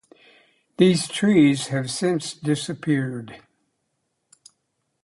These trees have since disappeared.